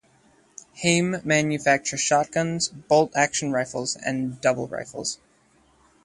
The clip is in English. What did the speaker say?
Heym manufacture shotguns, bolt action rifles, and double rifles.